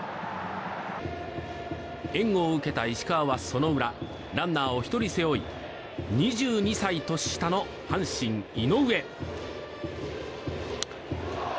援護を受けた石川は、その裏ランナーを１人背負い２２歳年下の阪神、井上。